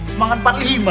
gua pengen sakit yah siin